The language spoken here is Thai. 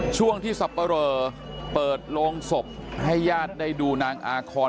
ช่วงที่สับปะเรอเปิดโรงศพให้ญาติได้ดูนางอาคอน